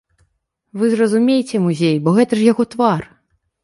Вы зразумейце музей, бо гэта ж яго твар!